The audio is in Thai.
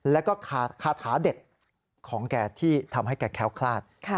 แล้วก็คาถาเด็ดของแกที่ทำให้แกแค้วคลาด